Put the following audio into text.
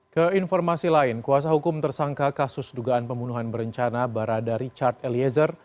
ke informasi lain kuasa hukum tersangka kasus dugaan pembunuhan berencana barada richard eliezer